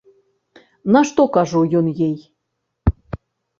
На што, кажу, ён ёй?